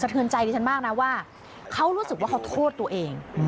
เทือนใจดิฉันมากนะว่าเขารู้สึกว่าเขาโทษตัวเอง